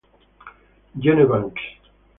Gene Banks